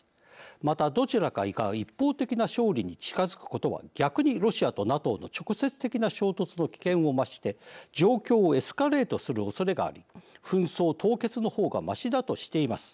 またどちらか一方的な勝利に近づくことは逆にロシアとＮＡＴＯの直接的な衝突の危険を増して状況をエスカレートするおそれがあり紛争凍結の方がましだとしています。